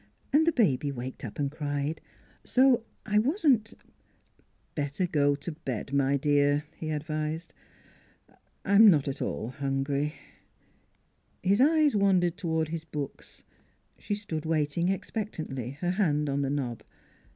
" And the baby waked up and cried. So I wasn't "" Better go to bed, my dear," he advised. " I I'm not at all hungry." 236 NEIGHBORS His eyes wandered toward his books. She stood waiting expectantly, her hand on the knob.